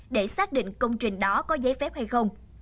để xác định công trình đó có giấy phép hay không